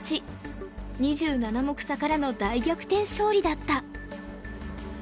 ２７目差からの大逆転勝利だった。